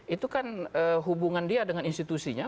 itu kan hubungan dia dengan institusinya